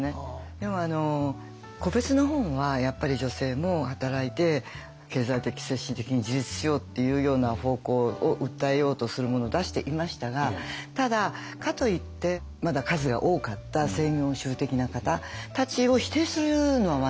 でも個別の本はやっぱり女性も働いて経済的精神的に自立しようっていうような方向を訴えようとするものを出していましたがただかといってまだ数が多かった専業主婦的な方たちを否定するのはまずいわけですよ。